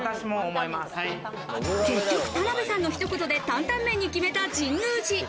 結局、田辺さんの一言で担担麺に決めた神宮寺。